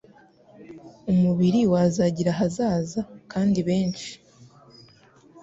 umubiri wazagira ahazaza, kandi benshi